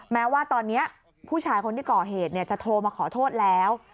แม้ว่าตอนนี้ผู้ชายคนที่ก่อเหตุจะโทรมาขอโทษแล้ว